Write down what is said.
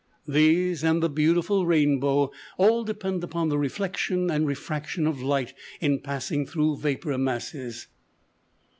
These, and the beautiful rainbow, all depend upon the reflection and refraction of light in passing through vapor masses.